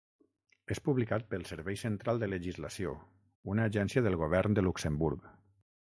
És publicat pel Servei Central de Legislació, una agència del govern de Luxemburg.